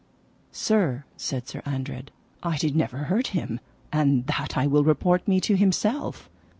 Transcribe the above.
Sir, said Sir Andred, I did never hurt him, and that I will report me to himself.